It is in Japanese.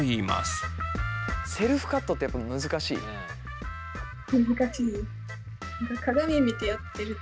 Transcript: セルフカットってやっぱ難しい？えっ！？